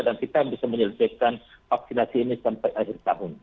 dan kita bisa menyelesaikan vaksinasi ini sampai akhir tahun